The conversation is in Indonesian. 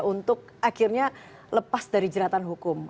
untuk akhirnya lepas dari jeratan hukum